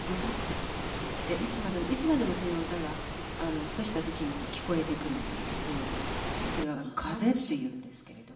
いつまでもいつまでもその歌がふとした時に聞こえてくるというそういう歌があるんですけどそれは「風」っていうんですけれども。